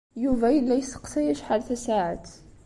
Yuba yella yesseqsay acḥal tasaɛet.